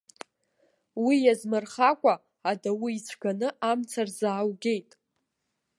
Уи азмырхакәа, адау ицәганы амца рзааугеит.